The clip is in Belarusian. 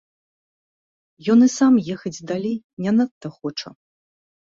Ён і сам ехаць далей не надта хоча.